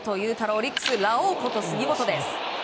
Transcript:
オリックスのラオウこと杉本。